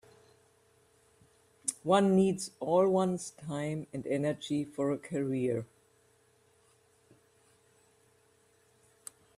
One needs all one's time and energy for a career.